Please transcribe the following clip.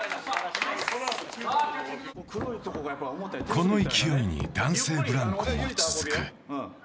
この勢いに、男性ブランコも続く。